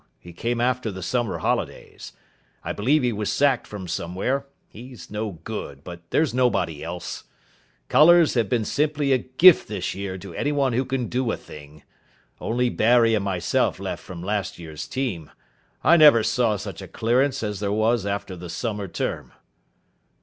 He came after the summer holidays. I believe he was sacked from somewhere. He's no good, but there's nobody else. Colours have been simply a gift this year to anyone who can do a thing. Only Barry and myself left from last year's team. I never saw such a clearance as there was after the summer term."